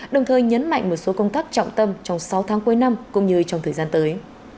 đồng thời nhấn mạnh một số công tác trọng tâm trong sáu tháng cuối năm cũng như trong thời gian tới